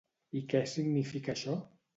I què significa això?